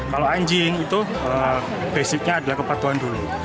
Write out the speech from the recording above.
kalau anjing itu basicnya adalah kepatuhan dulu